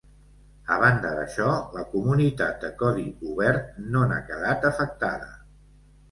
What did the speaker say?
A banda d'això, la comunitat de codi obert no n'ha quedat afectada.